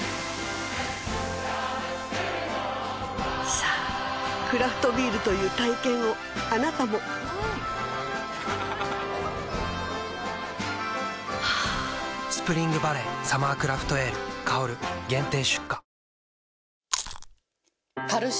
さぁクラフトビールという体験をあなたも「スプリングバレーサマークラフトエール香」限定出荷